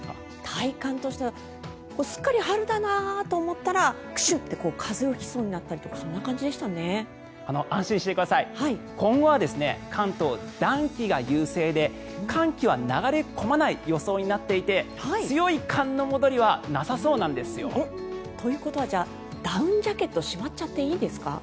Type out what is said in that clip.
体感としてはすっかり春だなと思ったらクシュンと風邪を引きそうになったり安心してください、今後は関東、暖気が優勢で寒気は流れ込まない予想になっていて強い寒の戻りはなさそうなんですよ。ということはダウンジャケットしまっちゃっていいですか？